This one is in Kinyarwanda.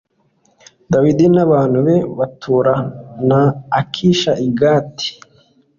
dawidi n abantu be baturana na akishi i gati